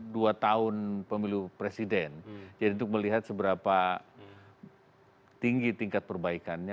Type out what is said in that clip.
dua tahun pemilu presiden jadi untuk melihat seberapa tinggi tingkat perbaikannya